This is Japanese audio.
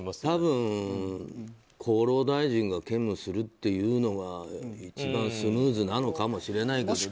多分、厚労大臣が兼務するというのが一番スムーズなのかもしれないけど。